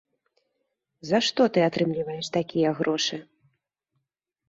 За што ты атрымліваеш такія грошы?